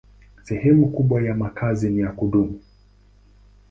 Sehemu kubwa ya makazi ni ya kudumu.